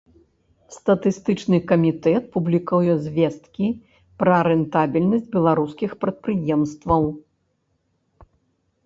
Статыстычны камітэт публікуе звесткі пра рэнтабельнасць беларускіх прадпрыемстваў.